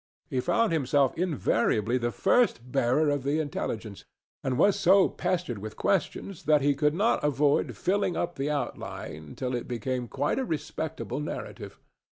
He found himself invariably the first bearer of the intelligence, and was so pestered with questions that he could not avoid filling up the outline till it became quite a respectable narrative.